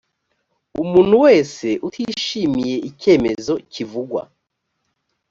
umuntu wese utishimiye icyemezo kivugwa